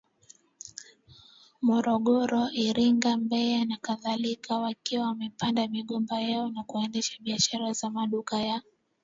Morogoro Iringa Mbeya nakadhalika wakiwa wamepanda migomba yao na kuendesha biashara za maduka ya